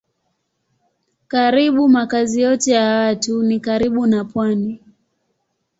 Karibu makazi yote ya watu ni karibu na pwani.